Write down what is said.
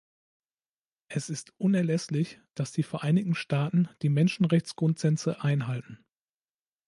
Es ist unerlässlich, dass die Vereinigten Staaten die Menschenrechtsgrundsätze einhalten.